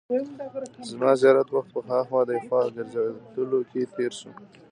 زما زیات وخت په هاخوا دیخوا ګرځېدلو کې تېر شو.